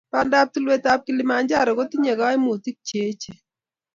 Bandab tulweetab Kilimanjaro kokitinyei kaimutiik cheechen.